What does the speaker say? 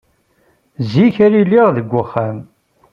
Zik ara iliɣ deg uxxam.